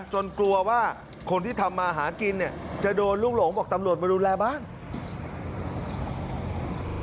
กลัวว่าคนที่ทำมาหากินเนี่ยจะโดนลูกหลงบอกตำรวจมาดูแลบ้าง